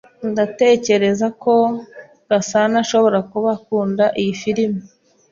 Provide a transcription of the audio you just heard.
Ndatekereza ko Gasanaashobora kuba akunda iyi firime.